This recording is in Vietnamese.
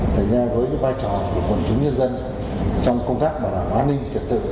thế nha với vai trò của quân chúng nhân dân trong công tác bảo vệ an ninh trật tự